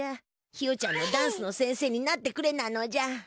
ひよちゃんのダンスの先生になってくれなのじゃ。